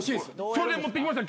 それで持ってきました。